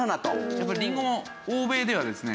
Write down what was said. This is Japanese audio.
やっぱりりんごも欧米ではですね